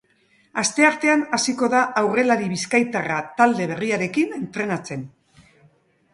Asteartean hasiko da aurrelari bizkaitarra talde berriarekin entrenatzen.